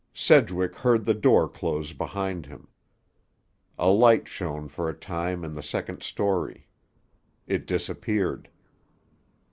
Sedgwick heard the door close behind him. A light shone for a time in the second story. It disappeared.